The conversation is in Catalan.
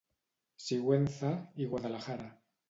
Sigüenza i Guadalajara.